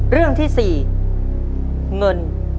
เรื่องที่๔